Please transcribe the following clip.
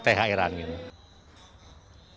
mereka bisa untuk berjaya berangin